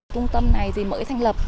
trung tâm này mới thành lập